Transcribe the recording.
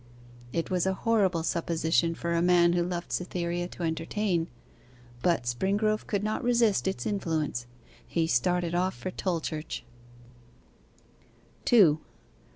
It was a horrible supposition for a man who loved Cytherea to entertain; but Springrove could not resist its influence. He started off for Tolchurch.